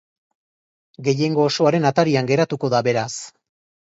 Gehiengo osoaren atarian geratuko da, beraz.